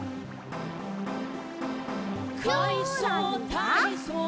「かいそうたいそう」